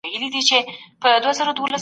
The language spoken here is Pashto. ښه ذهنیت روغتیا نه ځنډوي.